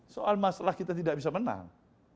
soal masalah kita tidak bisa menang